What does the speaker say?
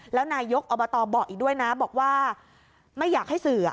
แล้วนายกอบตบอกอีกด้วยนะบอกว่าไม่อยากให้สื่อ